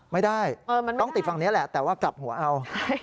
ไม่ได้ต้องติดฝั่งนี้แหละแต่ว่ากลับหัวเอา